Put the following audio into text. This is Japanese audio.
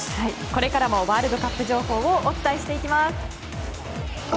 これからもワールドカップ情報をお伝えしていきます。